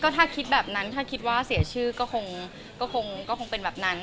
ถ้าคิดแบบนั้นถ้าคิดว่าเสียชื่อก็คงเป็นแบบนั้น